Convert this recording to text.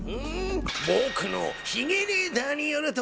ぼくのヒゲ・レーダーによると。